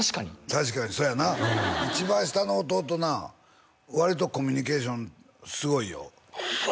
確かにそうやな一番下の弟な割とコミュニケーションすごいようわ